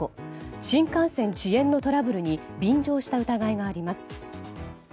新幹線遅延のトラブルに便乗した疑いがあります。